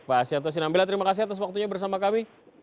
pak asyanto sinambela terima kasih atas waktunya bersama kami